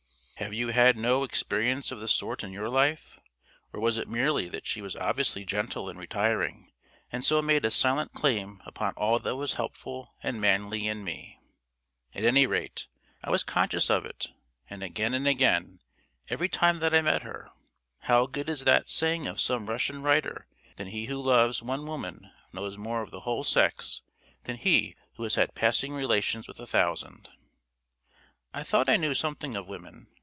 Have you had no experience of the sort in your life? Or was it merely that she was obviously gentle and retiring, and so made a silent claim upon all that was helpful and manly in me? At any rate, I was conscious of it; and again and again every time that I met her. How good is that saying of some Russian writer that he who loves one woman knows more of the whole sex than he who has had passing relations with a thousand! I thought I knew something of women.